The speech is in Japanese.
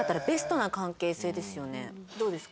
どうですか？